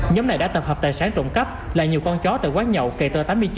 nhóm này đã tập hợp tài sản trộm cắp là nhiều con chó tại quán nhậu kề tơ tám mươi chín